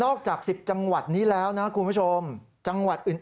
จาก๑๐จังหวัดนี้แล้วนะคุณผู้ชมจังหวัดอื่น